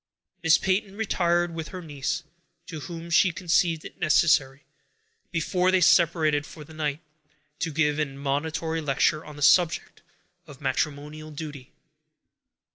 Miss Peyton retired with her niece, to whom she conceived it necessary, before they separated for the night, to give an admonitory lecture on the subject of matrimonial duty.